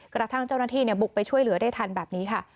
กระทั่งเจ้าหน้าที่บุกไปช่วยเหลือได้ทันแบบนี้ค่ะ